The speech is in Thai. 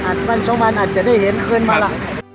อาจวันช่องวันอาจจะได้เห็นคืนมาล่ะ